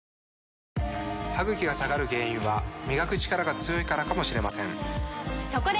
歯ぐきが下がる原因は磨くチカラが強いからかもしれませんそこで！